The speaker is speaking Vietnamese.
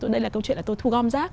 đây là câu chuyện là tôi thu gom rác